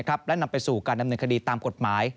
และนำไปสู่การดำเนินคดีตามกฎหมาย